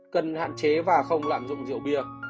cần hạn chế và không lạm dụng rượu bia